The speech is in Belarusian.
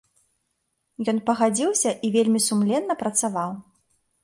Ён пагадзіўся і вельмі сумленна працаваў.